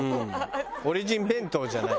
オリジン弁当じゃない。